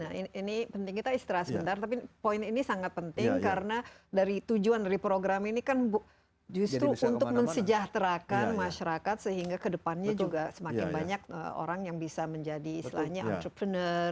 nah ini penting kita istirahat sebentar tapi poin ini sangat penting karena dari tujuan dari program ini kan justru untuk mensejahterakan masyarakat sehingga kedepannya juga semakin banyak orang yang bisa menjadi istilahnya entrepreneur